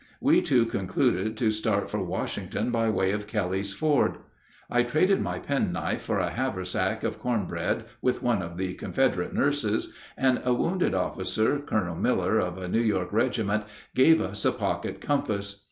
We two concluded to start for Washington by way of Kelly's Ford. I traded my penknife for a haversack of corn bread with one of the Confederate nurses, and a wounded officer, Colonel Miller of a New York regiment, gave us a pocket compass.